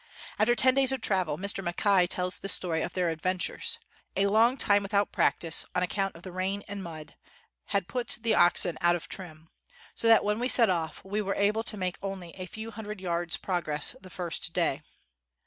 After ten days of travel, Mr. Mackay tells this story of their adventures: "A long time without practise, on account of the rain and mud, had put the oxen out of trim, so that when we set off we were able to make only a few hundred yards ' progress the first day.